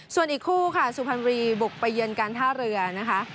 ส่วนอีกคู่ค่ะสุพรรณบุรีบุกไปเยือนการท่าเรือนะคะ